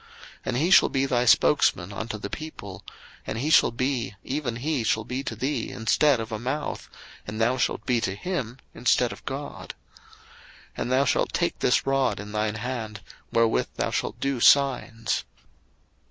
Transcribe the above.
02:004:016 And he shall be thy spokesman unto the people: and he shall be, even he shall be to thee instead of a mouth, and thou shalt be to him instead of God. 02:004:017 And thou shalt take this rod in thine hand, wherewith thou shalt do signs.